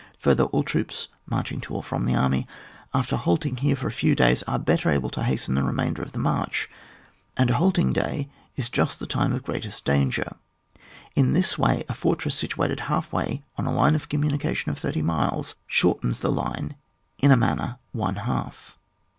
Further, all troops marching to or from the army, after halting here for a a few days, are better able to hasten the remainder of the march, and a halting day is just the time of greatest danger. In this way a fortress situated half way 01^ a line of communication of 30 miles shortens the line in a manner one half.